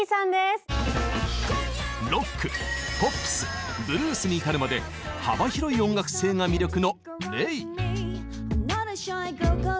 ロックポップスブルースに至るまで幅広い音楽性が魅力のＲｅｉ。